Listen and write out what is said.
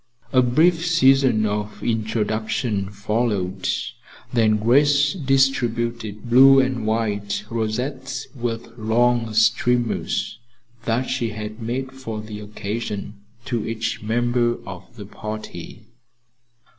A brief season of introduction followed, then Grace distributed blue and white rosettes with long streamers that she had made for the occasion, to each member of the party.